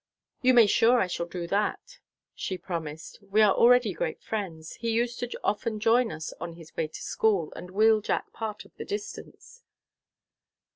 "You may be sure I shall do that," she promised. "We are already great friends. He used to often join us on his way to school, and wheel Jack part of the distance."